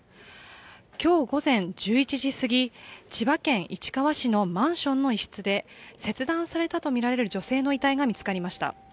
今日午前１１時すぎ、千葉県市川市のマンションの一室で切断されたとみられる女性の遺体が見つかりました。